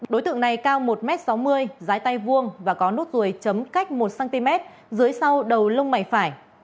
đối tượng này cao một m sáu mươi dãi tay vuông và có nốt ruồi chấm cách một cm dưới sau đầu lông mày phải